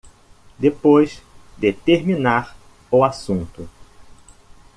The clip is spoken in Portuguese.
Depois de terminar o assunto